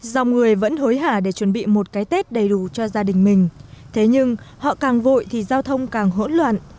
dòng người vẫn hối hả để chuẩn bị một cái tết đầy đủ cho gia đình mình thế nhưng họ càng vội thì giao thông càng hỗn loạn